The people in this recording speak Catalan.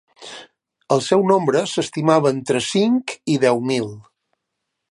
El seu nombre s'estimava entre cinc i deu mil.